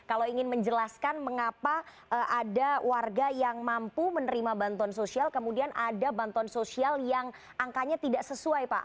apakah ada warga yang mampu menerima bantuan sosial kemudian ada bantuan sosial yang angkanya tidak sesuai pak